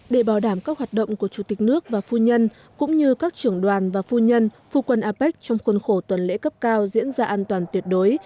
để bảo đảm các hoạt động của chủ tịch nước và phu nhân cũng như các trưởng đoàn và phu nhân phu quân apec trong khuôn khổ tuần lễ cấp cao diễn ra an toàn tuyệt đối